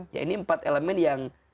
ya ini empat elemen yang